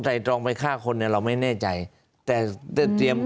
ตรองไปฆ่าคนเนี่ยเราไม่แน่ใจแต่แต่เตรียม